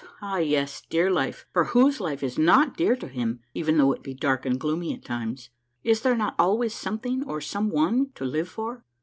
Ah, yes, dear life, for whose life is not dear to him, even though it be dark and gloomy at times ? Is there not always something, or some one, to live for